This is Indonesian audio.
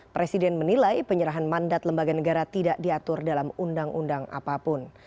presiden menilai penyerahan mandat lembaga negara tidak diatur dalam undang undang apapun